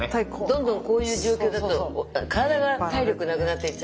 どんどんこういう状況だと体が体力なくなっていっちゃうから。